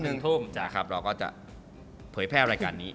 เราก็จะเผยแพร่รายการนี้